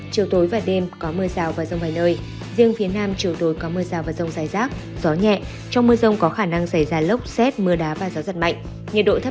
chiều tối và đêm có mưa rào và rông vài nơi riêng phía nam chiều tối có mưa rào và rông dài rác gió nhẹ trong mưa rông có khả năng xảy ra lốc xét mưa đá và gió giật mạnh